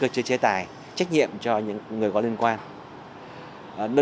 các cơ chế chế tài trách nhiệm cho những người có liên quan